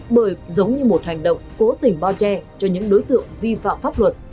bởi giống như một hành động cố tình bao che cho những đối tượng vi phạm pháp luật